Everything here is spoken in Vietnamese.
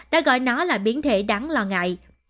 đã gọi nó là biến thể đáng lo ngại